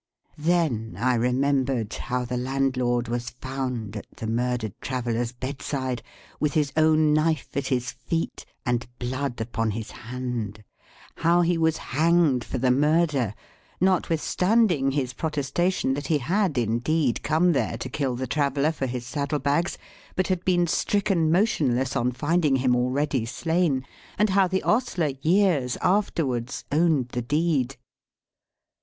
Then I remembered how the landlord was found at the murdered traveller's bedside, with his own knife at his feet, and blood upon his hand; how he was hanged for the murder, notwithstanding his protestation that he had indeed come there to kill the traveller for his saddle bags, but had been stricken motionless on finding him already slain; and how the ostler, years afterwards, owned the deed.